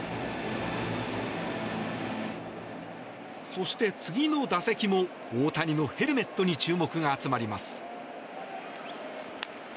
そして、次の打席も大谷のヘルメットに注目が集まります。